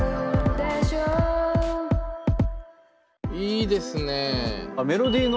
いいですね。